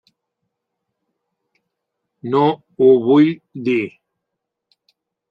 No ho vull dir.